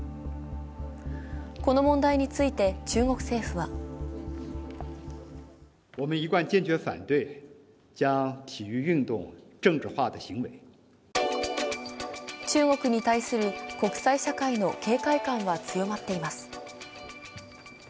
この問題について、中国政府は中国に対する国際社会の警戒感は強まっています。